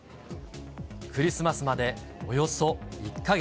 クリスマスまでおよそ１か月。